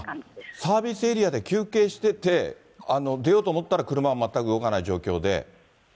サービスエリアで休憩してて、出ようと思ったら車が全く動かない状況で。